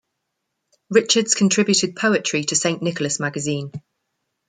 Richards contributed poetry to "Saint Nicholas Magazine".